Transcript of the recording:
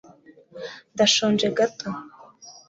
ndashonje gato